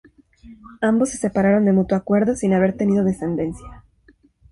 Ambos se separaron de mutuo acuerdo sin haber tenido descendencia.